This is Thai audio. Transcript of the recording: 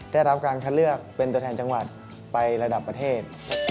ได้รับการคัดเลือกเป็นตัวแทนจังหวัดไประดับประเทศ